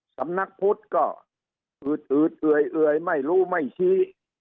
สำนักพุทธก็อืดเอื่อยไม่รู้ไม่ชี้